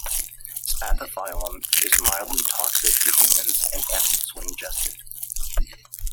Spathiphyllum is mildly toxic to humans and animals when ingested.